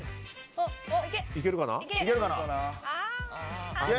いけるかな。